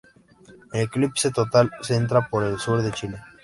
El Eclipse Total entra por el sur de Chile.